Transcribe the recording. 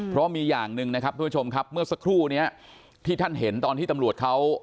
เพราะมีอย่างหนึ่งนะครับทุกผู้ชมครับเมื่อสักครู่นี้ที่ท่านเห็นตอนที่ตำรวจเขา